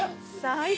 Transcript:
最高！